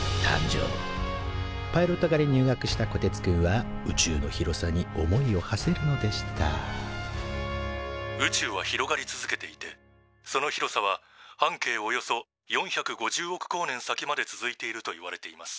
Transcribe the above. パイロット科に入学したこてつくんは宇宙の広さに思いをはせるのでした「宇宙は広がり続けていてその広さは半径およそ４５０億光年先まで続いているといわれています」。